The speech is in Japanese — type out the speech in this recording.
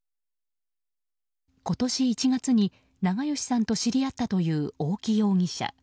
今年１月に長葭さんと知り合ったという大木容疑者。